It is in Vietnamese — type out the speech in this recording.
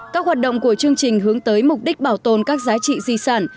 các hoạt động của chương trình hướng tới mục đích bảo tồn các giá trị di sản